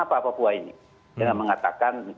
apa papua ini dengan mengatakan